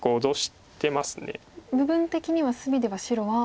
部分的には隅では白は。